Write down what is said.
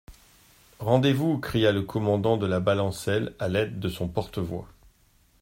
Rendez-vous ! s'écria le commandant de la balancelle, à l'aide de son porte-voix.